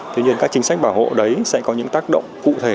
tuy nhiên các chính sách bảo hộ đấy sẽ có những tác động cụ thể